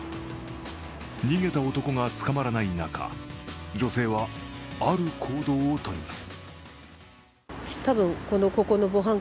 逃げた男が捕まらない中、女性は、ある行動をとります。